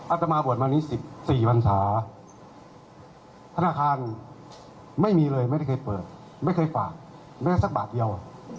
อาตมาบวชวันนี้๑๔พันศาธนาคารไม่มีเลยไม่ได้เคยเปิดไม่เคยฝากแม้สักบาทเดียว